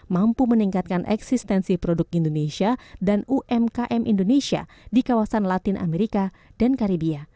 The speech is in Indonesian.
mampu meningkatkan eksistensi produk indonesia dan umkm indonesia di kawasan latin amerika dan karibia